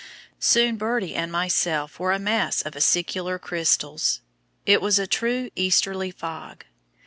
Soon Birdie and myself were a mass of acicular crystals; it was a true easterly fog.